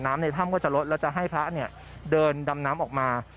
ในถ้ำก็จะลดแล้วจะให้พระเนี่ยเดินดำน้ำออกมา